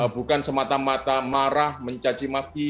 bukan semata mata marah mencaci maki